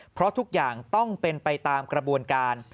เพราะทุกอย่างต้องเป็นไปตามกระบวนการ